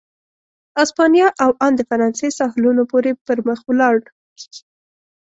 اسپانیا او ان د فرانسې ساحلونو پورې پر مخ ولاړ.